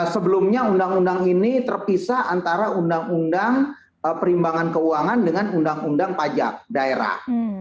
sebelumnya undang undang ini terpisah antara undang undang perimbangan keuangan dengan undang undang pajak daerah